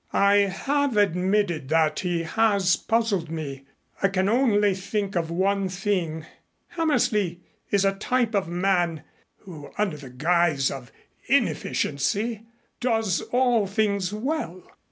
"I have admitted that he has puzzled me. I can only think of one thing. Hammersley is a type of man who under the guise of inefficiency does all things well.